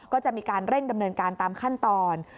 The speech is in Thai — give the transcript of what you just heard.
ก็จะมีการเร่งดำเนินการตามขั้นตอน